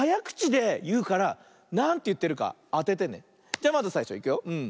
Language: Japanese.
じゃまずさいしょいくよ。